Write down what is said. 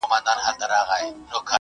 هم د پېغلوټو هم جینکیو ,